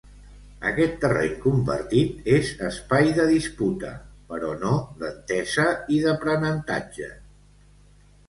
Aquest terreny compartit és espai de disputa, però no d'entesa i d'aprenentatge.